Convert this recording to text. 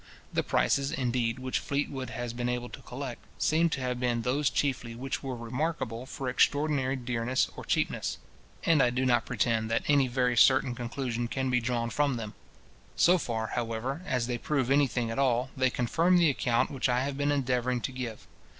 The prices, indeed, which Fleetwood has been able to collect, seem to have been those chiefly which were remarkable for extraordinary dearness or cheapness; and I do not pretend that any very certain conclusion can be drawn from them. So far, however, as they prove any thing at all, they confirm the account which I have been endeavouring to give.